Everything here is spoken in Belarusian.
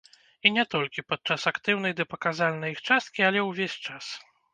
І не толькі падчас актыўнай ды паказальнай іх часткі, але ўвесь час.